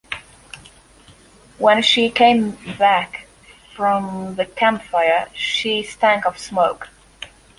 When she came back from the campfire, she stank of smoke.